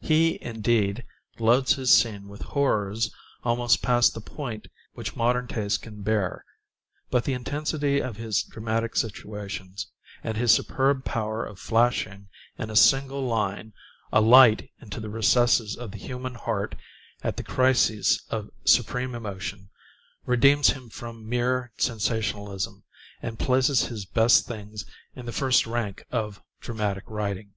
He, indeed, loads his scene with horrors almost past the point which modern taste can bear; but the intensity of his dramatic situations, and his superb power of flashing in a single line a light into the recesses of the human heart at the crises of supreme emotion, redeems him from mere sensationalism, and places his best things in the first rank of dramatic writing.